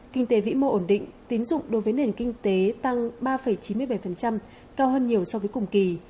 kinh tế vĩ mô ổn định tín dụng đối với nền kinh tế tăng ba chín mươi bảy cao hơn nhiều so với cùng kỳ